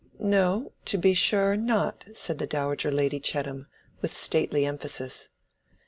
"No, to be sure not," said the Dowager Lady Chettam, with stately emphasis.